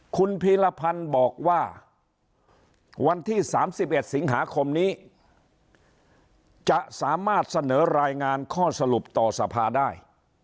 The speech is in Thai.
คุณพีรพันธ์บอกว่าวันที่๓๑สิงหาคมนี้จะสามารถเสนอรายงานข้อสรุปต่อสภาได้